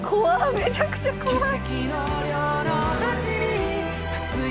めちゃくちゃ怖い！